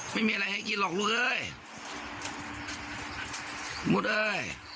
ไม่มีอะไรให้คิดหรอกลูกเอ้ย